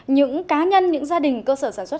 những cá nhân những gia đình cơ sở sản xuất